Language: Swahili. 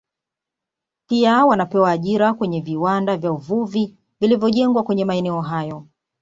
Pia wanapewa ajira kwenye viwanda vya uvuvi vilivyojengwa kwenye maeneo hayo